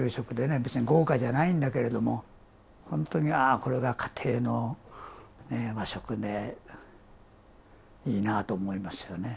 別に豪華じゃないんだけれども本当にああこれが家庭の和食でいいなぁと思いましたよね。